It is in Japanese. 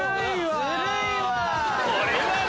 ずるいわ！